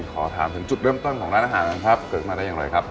ขอถามถึงจุดเริ่มต้นของร้านอาหารกันครับเกิดมาได้อย่างไรครับ